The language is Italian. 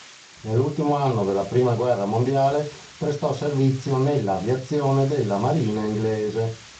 Nell'ultimo anno della prima guerra mondiale prestò servizio nella Aviazione della Marina inglese.